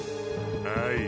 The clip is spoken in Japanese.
はい。